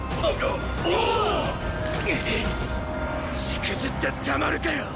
しくじってたまるかよっ！